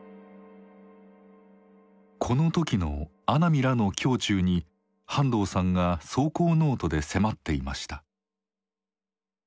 この時の阿南らの胸中に半藤さんが草稿ノートで迫っていました。